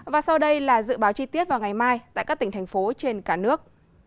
và sau đây là dự báo chi tiết vào ngày mai tại các tỉnh thành phố trên cả nước